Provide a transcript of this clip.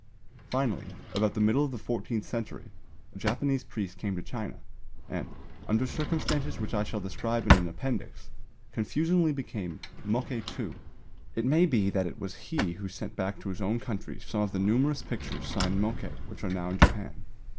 Finally, about the middle of the fourteenth century, a Japanese priest came to China and, under circumstances which I shall describe in an appendix, confusingly became Mokkei II. It may be that it was he who sent back to his own country some of the numerous pictures signed Mokkei which are now in Japan.